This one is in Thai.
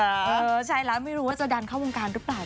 เออใช่แล้วไม่รู้ว่าจะดันเข้าวงการหรือเปล่า